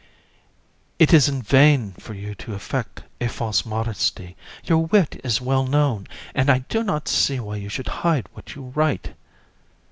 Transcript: JU. It is in vain for you to affect a false modesty; your wit is well known, and I do not see why you should hide what you write.